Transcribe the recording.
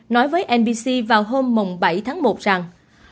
nói với nbc vào hôm bảy tháng một rằng